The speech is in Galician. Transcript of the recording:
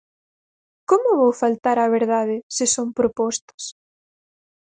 ¿Como vou faltar á verdade se son propostas?